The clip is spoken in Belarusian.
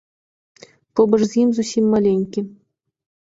Побач з ім зусім маленькі.